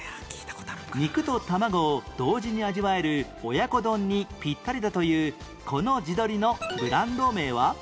肉と卵を同時に味わえる親子丼にピッタリだというこの地鶏のブランド名は？